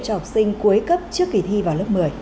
cho học sinh cuối cấp trước kỳ thi vào lớp một mươi